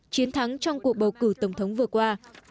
chiến thắng trong cuộc bầu cử tổng thống vừa qua